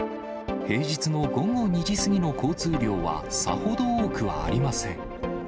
平日の午後２時過ぎの交通量はさほど多くはありません。